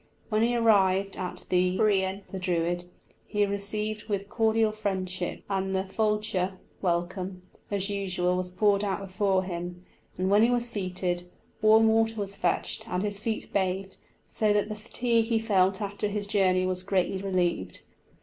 When he arrived at the bruighean of the Druid, he was received with cordial friendship, and the failte (welcome), as usual, was poured out before him, and when he was seated, warm water was fetched, and his feet bathed, so that the fatigue he felt after his journey was greatly relieved.